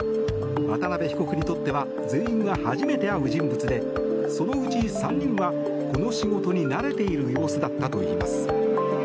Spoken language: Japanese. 渡邉被告にとっては全員が初めて会う人物でそのうち３人はこの仕事に慣れている様子だったといいます。